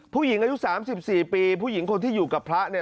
ผู้หญิงอายุ๓๔ปีผู้หญิงคนที่อยู่กับพระเนี่ย